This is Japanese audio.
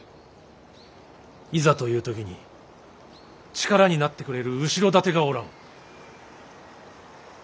いざという時に力になってくれる後ろ盾がおらん。